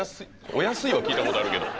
お安いは聞いたことあるけど。